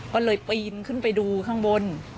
ก็เลยปีนขึ้นไปดูข้างบน